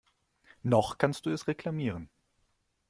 Noch kannst du es reklamieren.